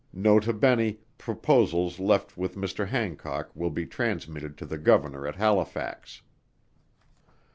Nota Bene. Proposals left with Mr. Hancock, will be transmitted to the Governor at Halifax.